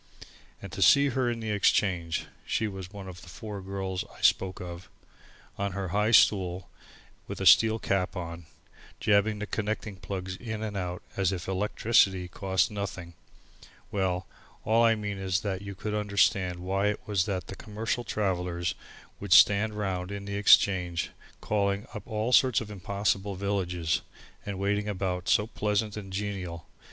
And to see her in the Exchange, she was one of the four girls that I spoke of, on her high stool with a steel cap on, jabbing the connecting plugs in and out as if electricity cost nothing well, all I mean is that you could understand why it was that the commercial travellers would stand round in the Exchange calling up all sorts of impossible villages, and waiting about so pleasant and genial!